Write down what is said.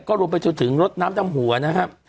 รวมไปจนถึงรถน้ำดำหัวนะครับ